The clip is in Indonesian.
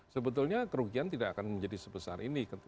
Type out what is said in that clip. sebetulnya kerugian tidak akan menjadi sebesar ini